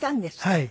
はい。